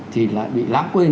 thì lại bị lãng quên